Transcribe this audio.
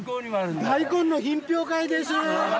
大根の品評会です。